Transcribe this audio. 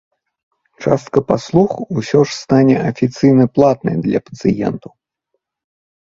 Частка паслуг усё ж стане афіцыйна платнай для пацыентаў.